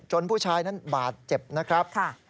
ผู้ชายนั้นบาดเจ็บนะครับ